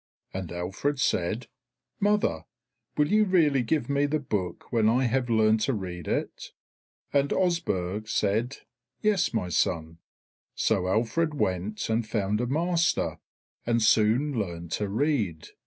And Alfred said, "Mother, will you really give me the book when I have learned to read it?" And Osburh said, "Yes, my son." So Alfred went and found a master, and soon learned to read.